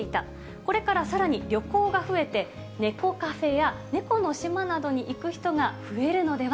これからさらに旅行が増えて、猫カフェや猫の島などに行く人が増えるのでは。